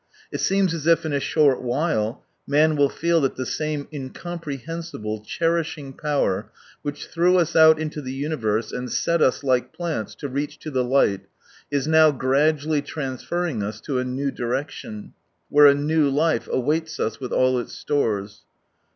It seems as if, in a short while, man will feel that the same incomprehensible, cherishing power which threw us out into the universe and set us, like plants, to reach to the light, is now gradually transferring us to a new direction, where a new life awaits us with all its stores.